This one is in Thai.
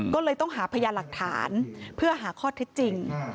ก็เลยต้องหาพยานหลักฐานเพื่อหาข้อเท็จจริง